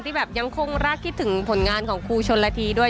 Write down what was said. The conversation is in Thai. แบบยังคงรักคิดถึงผลงานของครูชนละทีด้วย